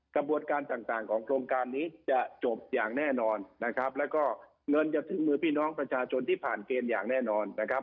กระบวนการต่างต่างของโครงการนี้จะจบอย่างแน่นอนนะครับแล้วก็เงินจะถึงมือพี่น้องประชาชนที่ผ่านเกณฑ์อย่างแน่นอนนะครับ